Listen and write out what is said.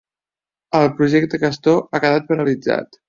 El projecte Castor ha quedat paralitzat.